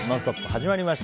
始まりました。